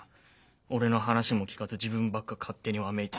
俺の話も聞かず自分ばっか勝手にわめいて。